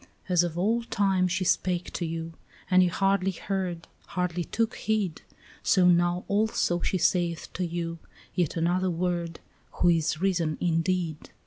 "As of old time she spake to you, and you hardly heard, Hardly took heed, So now also she saith to you, yet another word, Who is risen indeed.